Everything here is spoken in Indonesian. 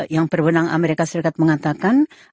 yang berwenang amerika serikat mengatakan